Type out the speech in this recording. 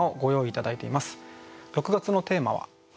６月のテーマは？